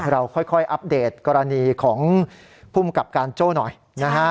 เราค่อยอัปเดตกรณีของภูมิกับการโจ้หน่อยนะฮะ